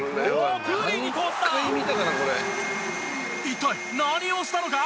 一体何をしたのか？